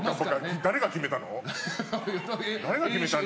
誰が決めたんだ？